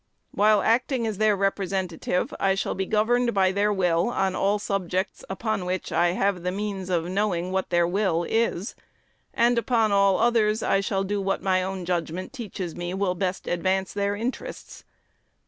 While acting as their Representative, I shall be governed by their will on all subjects upon which I have the means of knowing what their will is; and upon all others I shall do what my own judgment teaches me will best advance their interests.